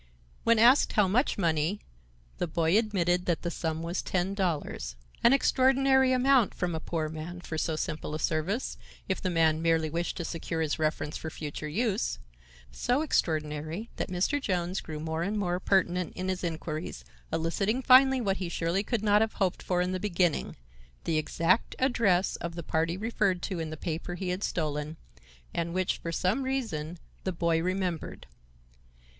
When asked how much money, the boy admitted that the sum was ten dollars,—an extraordinary amount from a poor man for so simple a service, if the man merely wished to secure his reference for future use; so extraordinary that Mr. Jones grew more and more pertinent in his inquiries, eliciting finally what he surely could not have hoped for in the beginning,—the exact address of the party referred to in the paper he had stolen, and which, for some reason, the boy remembered.